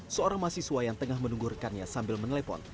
seorang mahasiswa yang tengah menunggu rekannya sambil menelpon